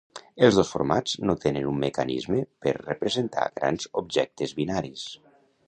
Els dos formats no tenen un mecanisme per representar grans objectes binaris.